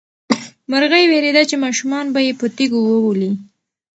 مرغۍ وېرېده چې ماشومان به یې په تیږو وولي.